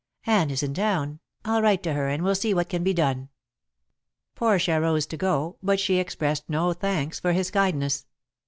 "Anne is in town. I'll write to her, and we'll see what can be done." Portia rose to go, but she expressed no thanks for his kindness.